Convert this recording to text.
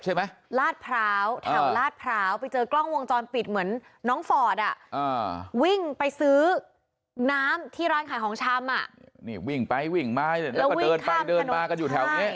ก็เอ้าก็แสดงว่าเอ้าก็ไม่ได้ดู